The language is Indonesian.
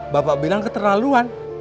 bapak bilang keterlaluan